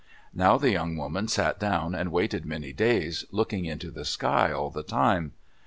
Now the young woman sat down and waited many days, looking into the sky all the time.